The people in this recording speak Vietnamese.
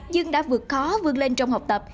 nhưng đã vượt khó vươn lên trong học tập